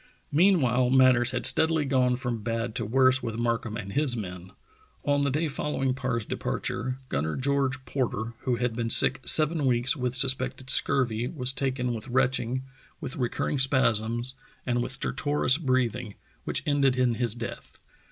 Meanwhile matters had steadily gone from bad to worse with Markham and his men. On the day follow ing Parr's departure. Gunner George Porter, who had been sick seven weeks with suspected scurv}', was taken 266 True Tales of Arctic Heroism with retching, with recurring spasms and stertorous breathing, which ended in his death.